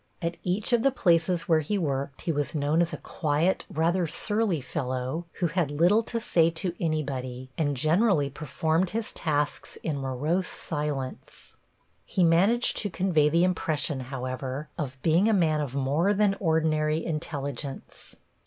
At each of the places where he worked he was known as a quiet, rather surly fellow, who had little to say to anybody, and generally performed his tasks in morose silence. He managed to convey the impression, however, of being a man of more than ordinary intelligence.